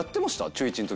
中１の時。